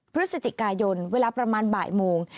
พฤศจิกายนเวลาประมาณบ่ายโมง